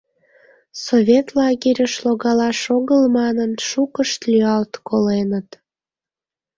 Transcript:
Совет лагерьыш логалаш огыл манын, шукышт лӱялт коленыт.